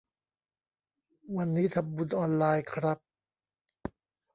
วันนี้ทำบุญออนไลน์ครับ